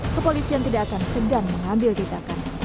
kepolisian tidak akan segan mengambil tindakan